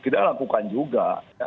kita lakukan juga